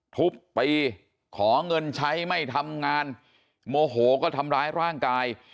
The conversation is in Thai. ทุบไปขอเงินใช้ไม่ทำงานโมโหก็ทำร้ายร่างกาย